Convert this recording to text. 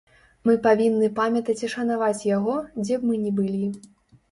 Мы павінны памятаць і шанаваць яго, дзе б мы не былі.